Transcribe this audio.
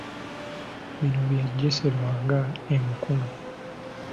Bino bya Jesse Lwanga e Mukono.